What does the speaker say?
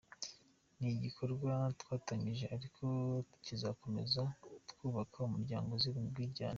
Ni igikorwa twatangije ariko kizakomeza, twubaka umuryango uzira umwiryane.